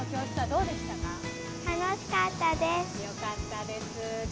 楽しかったです。